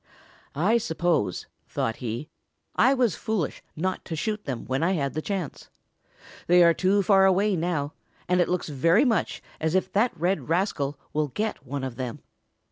"I suppose," thought he, "I was foolish not to shoot them when I had the chance. They are too far away now, and it looks very much as if that red rascal will get one of them.